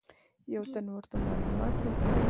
یو تن ورته معلومات ورکول.